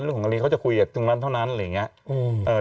เรื่องของอะไรเขาจะคุยกับทุ่งร้านเท่านั้นอะไรอย่างนี้